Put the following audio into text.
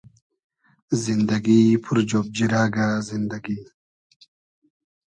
زیندئگی پور جۉب جیرئگۂ زیندئگی